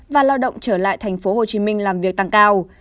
và lao động trở lại tp hcm làm việc tăng cao